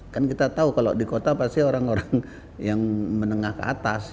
kan kita tahu kalau di kota pasti orang orang yang menengah ke atas